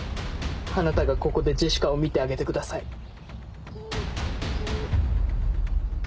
あなたがここでジェシカを診てあげてください。